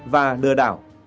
và lừa đảo